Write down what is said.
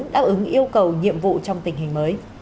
đáp ứng yêu cầu nhiệm vụ trong tình hình mới